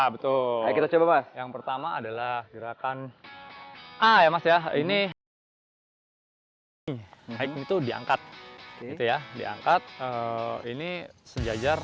betul kita coba yang pertama adalah gerakan ayah ini itu diangkat gitu ya diangkat ini sejajar